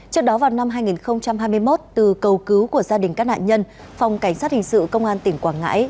trước đó vào năm hai nghìn hai mươi một từ cầu cứu của gia đình các nạn nhân phòng cảnh sát hình sự công an tỉnh quảng ngãi